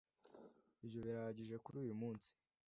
ibyo birahagije kuri uyumunsi